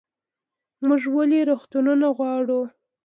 موږ ولې روغتونونه غواړو؟